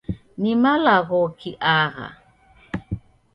Ni malaghoki agha ?